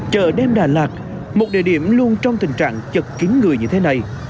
chợ đêm đà lạt một địa điểm luôn trong tình trạng chật kín người như thế này